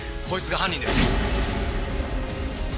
こいつが犯人です。